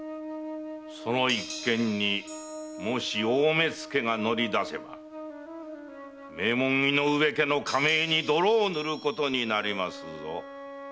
その一件にもし大目付が乗り出せば名門井上家の家名に泥を塗ることになりまするぞ。